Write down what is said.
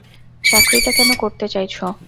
চাকরিটা কেন করতে চাইছো?